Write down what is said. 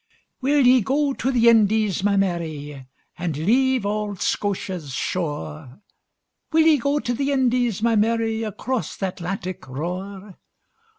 WILL ye go to the Indies, my Mary, And leave auld Scotia's shore? Will ye go to the Indies, my Mary, Across th' Atlantic roar?